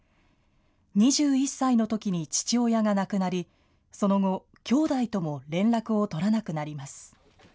２１歳のときに父親が亡くなりその後、きょうだいとも連絡を取らなくなります。